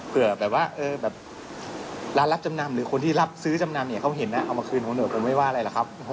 เผื่อแบบว่าร้านรับจำนำหรือคนที่รับซื้อจำนำเนี่ยเขาเห็นนะเอามาคืนของเถอะผมไม่ว่าอะไรหรอกครับ